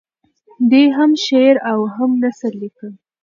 دی هم شعر او هم نثر لیکي.